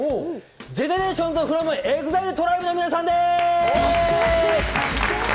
ＧＥＮＥＲＡＴＩＯＮＳｆｒｏｍＥＸＩＬＥＴＲＩＢＥの皆さんです。